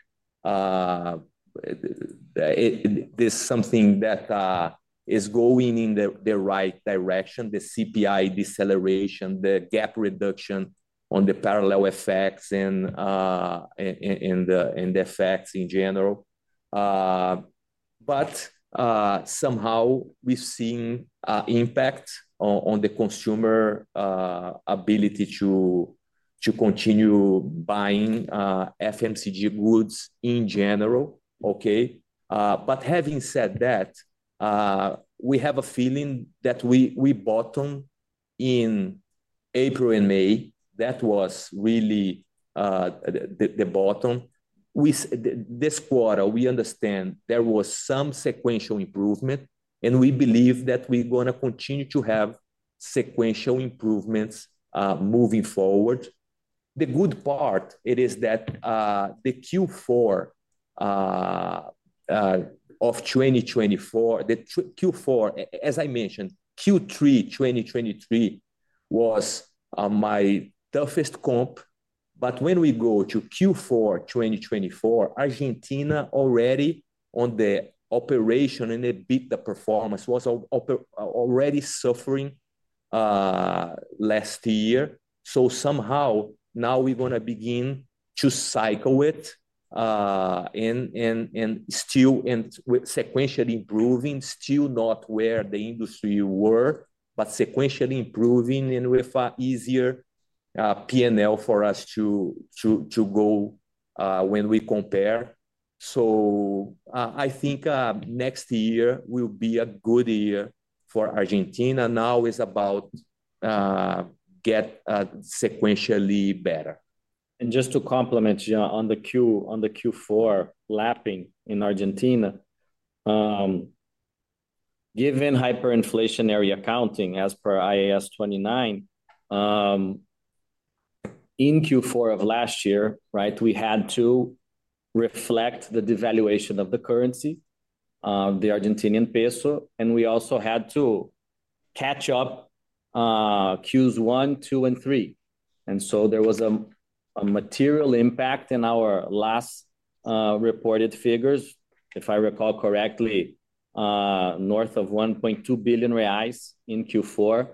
there's something that is going in the right direction, the CPI deceleration, the gap reduction on the parallel exchange rates and the exchange rates in general. But somehow we've seen impact on the consumer ability to continue buying FMCG goods in general, okay? But having said that, we have a feeling that we bottomed in April and May. That was really the bottom. This quarter, we understand there was some sequential improvement, and we believe that we're going to continue to have sequential improvements moving forward. The good part is that the Q4 of 2024, the Q4, as I mentioned, Q3 2023 was my toughest comp. But when we go to Q4 2024, Argentina already on the operation and a bit the performance was already suffering last year. So somehow now we're going to begin to cycle it and still sequentially improving, still not where the industry were, but sequentially improving and with an easier P&L for us to go when we compare. So I think next year will be a good year for Argentina. Now is about to get sequentially better. Just to complement, Jean, on the Q4 lapping in Argentina, given hyperinflationary accounting as per IAS 29, in Q4 of last year, right, we had to reflect the devaluation of the currency, the Argentine peso, and we also had to catch up Qs 1, 2, and 3. And so there was a material impact in our last reported figures, if I recall correctly, north of 1.2 billion reais in Q4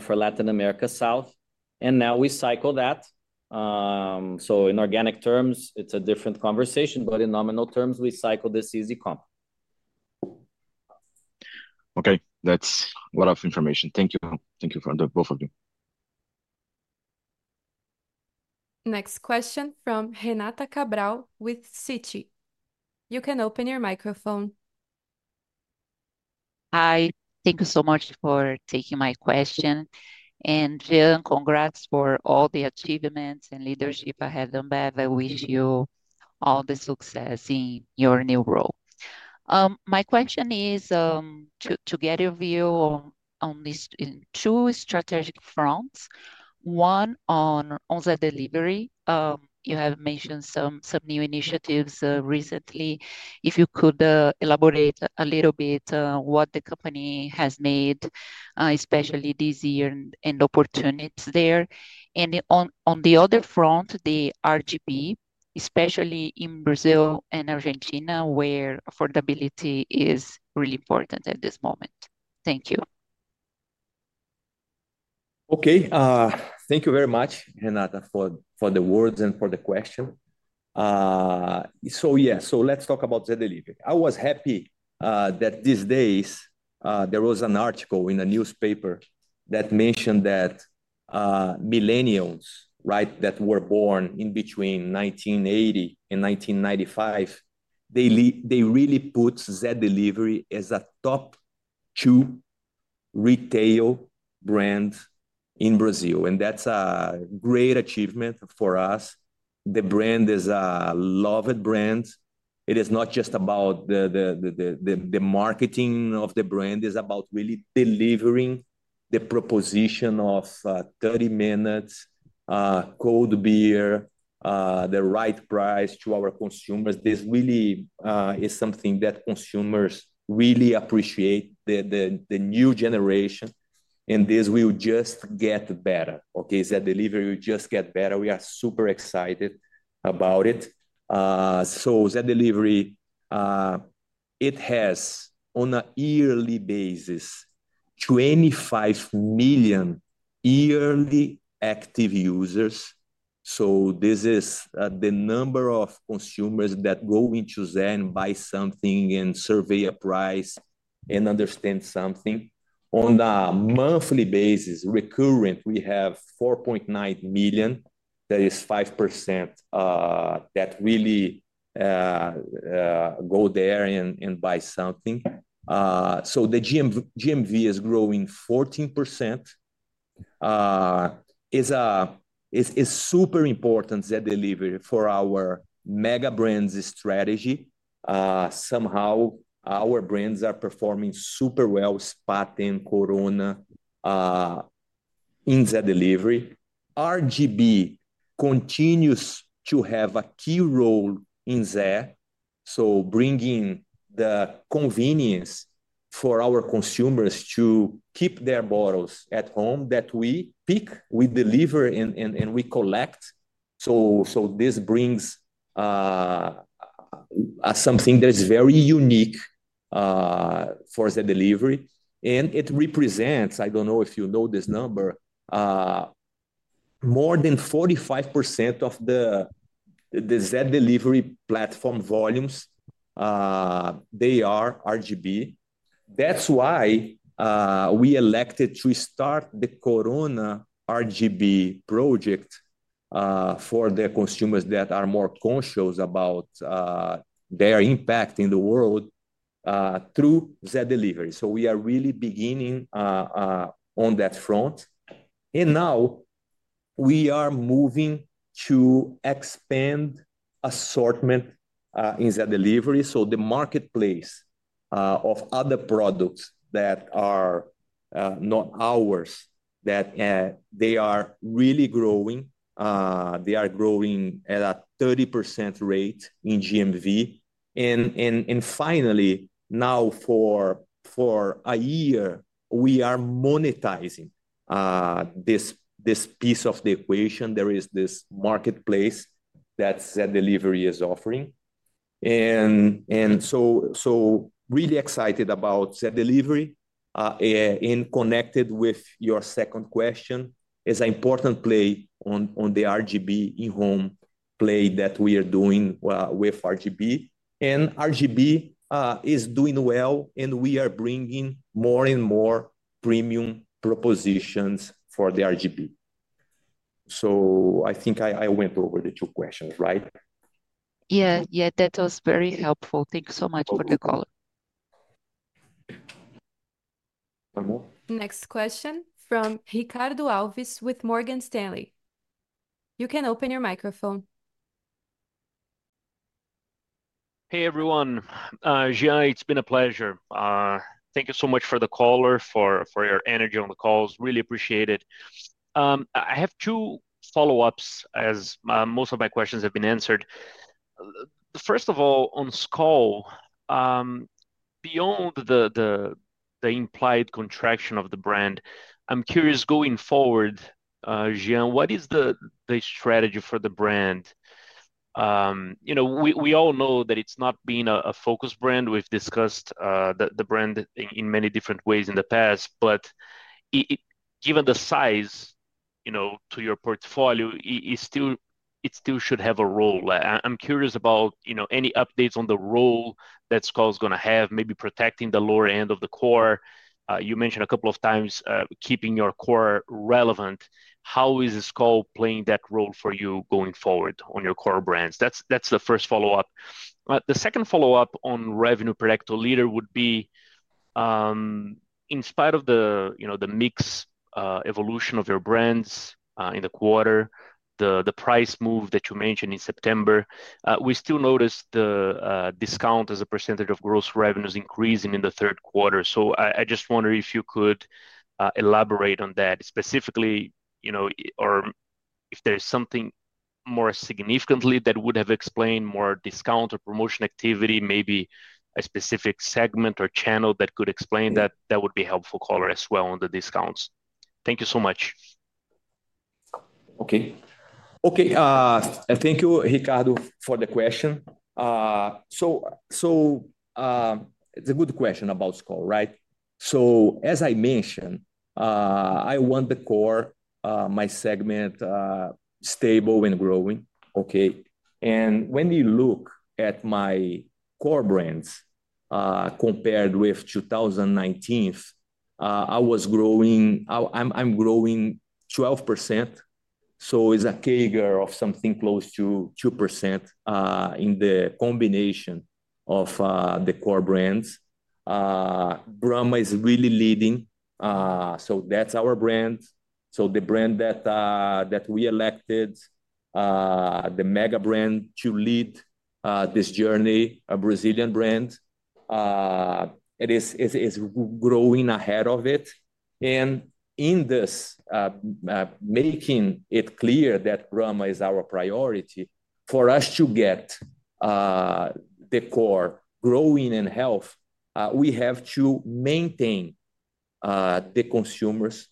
for Latin America South. And now we cycle that. So in organic terms, it's a different conversation, but in nominal terms, we cycle this easy comp. Okay. That's a lot of information. Thank you. Thank you for both of you. Next question from Renata Cabral with Citi. You can open your microphone. Hi. Thank you so much for taking my question. And Jean, congrats for all the achievements and leadership I have done. I wish you all the success in your new role. My question is to get your view on these two strategic fronts. One on the delivery. You have mentioned some new initiatives recently. If you could elaborate a little bit on what the company has made, especially this year and opportunities there. And on the other front, the RGB, especially in Brazil and Argentina, where affordability is really important at this moment. Thank you. Okay. Thank you very much, Renata, for the words and for the question. So yeah, so let's talk about the delivery. I was happy that these days there was an article in the newspaper that mentioned that millennials, right, that were born in between 1980 and 1995, they really put Zé Delivery as a top two retail brands in Brazil. And that's a great achievement for us. The brand is a loved brand. It is not just about the marketing of the brand. It is about really delivering the proposition of 30 minutes, cold beer, the right price to our consumers. This really is something that consumers really appreciate, the new generation, and this will just get better, okay? Zé Delivery will just get better. We are super excited about it, so Zé Delivery, it has on an yearly basis, 25 million yearly active users, so this is the number of consumers that go into Zé and buy something and survey a price and understand something. On a monthly basis, recurrent, we have 4.9 million. That is 5% that really go there and buy something, so the GMV is growing 14%. It's super important, Zé Delivery, for our mega brands strategy. Somehow our brands are performing super well, Spaten, Corona in Zé Delivery. RGB continues to have a key role in Zé. So bringing the convenience for our consumers to keep their bottles at home that we pick, we deliver, and we collect. So this brings something that is very unique for Zé Delivery. And it represents, I don't know if you know this number, more than 45% of the Zé Delivery platform volumes. They are RGB. That's why we elected to start the Corona RGB project for the consumers that are more conscious about their impact in the world through Zé Delivery. So we are really beginning on that front. And now we are moving to expand assortment in Zé Delivery. So the marketplace of other products that are not ours, that they are really growing. They are growing at a 30% rate in GMV. And finally, now for a year, we are monetizing this piece of the equation. There is this marketplace that Zé Delivery is offering. And so really excited about Zé Delivery. And connected with your second question, it's an important play on the RGB in-home play that we are doing with RGB. And RGB is doing well, and we are bringing more and more premium propositions for the RGB. So I think I went over the two questions, right? Yeah. Yeah. That was very helpful. Thank you so much for the call. Next question from Ricardo Alves with Morgan Stanley. You can open your microphone. Hey, everyone. Jean, it's been a pleasure. Thank you so much for the call, for your energy on the calls. Really appreciate it. I have two follow-ups as most of my questions have been answered. First of all, on Skol, beyond the implied contraction of the brand, I'm curious going forward, Jean, what is the strategy for the brand? We all know that it's not been a focus brand. We've discussed the brand in many different ways in the past, but given the size to your portfolio, it still should have a role. I'm curious about any updates on the role that Skol's going to have, maybe protecting the lower end of the core. You mentioned a couple of times keeping your core relevant. How is Skol playing that role for you going forward on your core brands? That's the first follow-up. The second follow-up on revenue per hectoliter would be, in spite of the mixed evolution of your brands in the quarter, the price move that you mentioned in September. We still noticed the discount as a percentage of gross revenues increasing in the third quarter. So I just wonder if you could elaborate on that specifically, or if there's something more significant that would have explained more discount or promotion activity, maybe a specific segment or channel that could explain that. That would be a helpful color as well on the discounts. Thank you so much. Okay. Okay. Thank you, Ricardo, for the question. So it's a good question about Skol, right? So as I mentioned, we want our core main segment stable and growing, okay? And when you look at our core brands compared with 2019, we're growing 12%. So it's a CAGR of something close to 2% in the combination of the core brands. Brahma is really leading. So that's our brand. So the brand that we elected, the mega brand to lead this journey, a Brazilian brand, it is growing ahead of it. In this, making it clear that Brahma is our priority for us to get the core growing in health, we have to maintain the consumers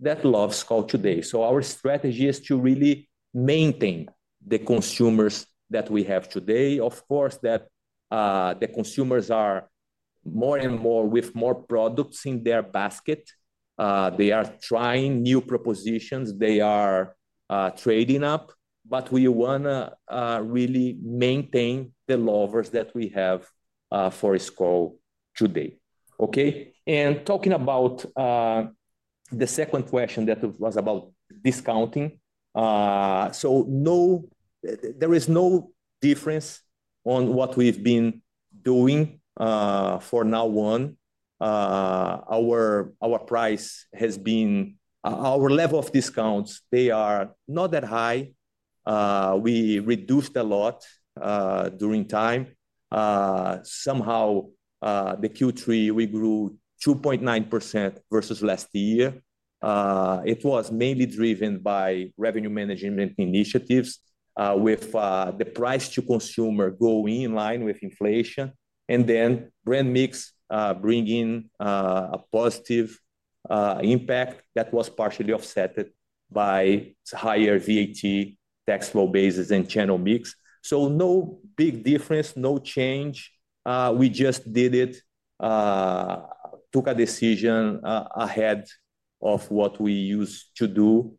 that love Skol today. Our strategy is to really maintain the consumers that we have today. Of course, that the consumers are more and more with more products in their basket. They are trying new propositions. They are trading up. But we want to really maintain the lovers that we have for Skol today, okay? Talking about the second question that was about discounting. There is no difference on what we've been doing for now one. Our price has been our level of discounts, they are not that high. We reduced a lot during time. Somehow, the Q3, we grew 2.9% versus last year. It was mainly driven by revenue management initiatives with the price to consumer going in line with inflation. And then brand mix bringing a positive impact that was partially offset by higher VAT, taxable basis, and channel mix. So no big difference, no change. We just did it, took a decision ahead of what we used to do.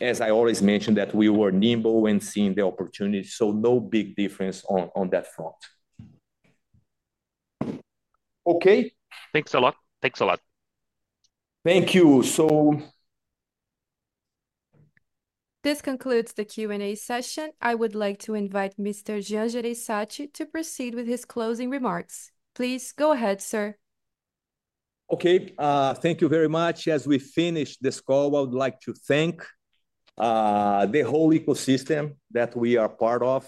As I always mentioned, that we were nimble and seeing the opportunity. So no big difference on that front. Okay. Thanks a lot. Thanks a lot. Thank you. So. This concludes the Q&A session. I would like to invite Mr. Jean Jereissati to proceed with his closing remarks. Please go ahead, sir. Okay. Thank you very much. As we finish this call, I would like to thank the whole ecosystem that we are part of.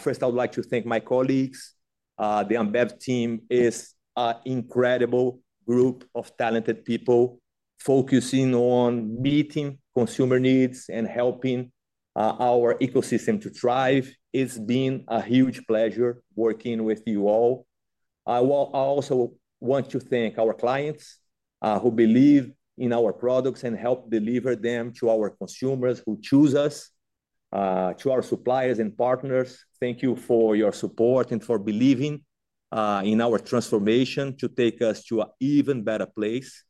First, I would like to thank my colleagues. The Ambev team is an incredible group of talented people focusing on meeting consumer needs and helping our ecosystem to thrive. It's been a huge pleasure working with you all. I also want to thank our clients who believe in our products and help deliver them to our consumers who choose us, to our suppliers and partners. Thank you for your support and for believing in our transformation to take us to an even better place.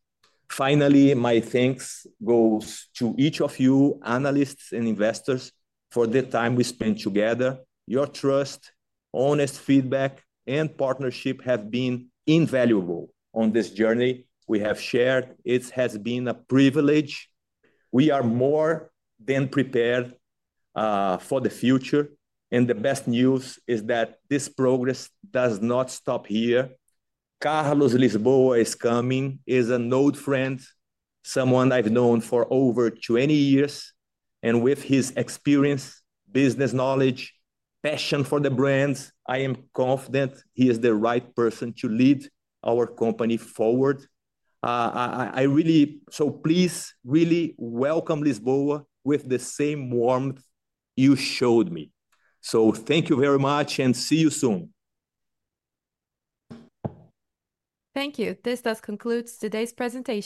Finally, my thanks goes to each of you, analysts and investors, for the time we spent together. Your trust, honest feedback, and partnership have been invaluable on this journey. We have shared. It has been a privilege. We are more than prepared for the future. And the best news is that this progress does not stop here. Carlos Lisboa is coming. He's an old friend, someone I've known for over 20 years. With his experience, business knowledge, passion for the brands, I am confident he is the right person to lead our company forward. I really do. So please, really welcome Lisboa with the same warmth you showed me. Thank you very much and see you soon. Thank you. This does conclude today's presentation.